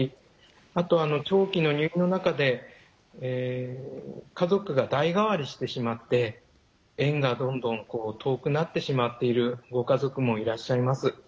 あと長期の入院の中で家族が代替わりしてしまって縁がどんどん遠くなってしまっているご家族もいらっしゃいます。